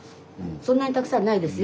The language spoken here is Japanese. そんなにたくさんないですよ？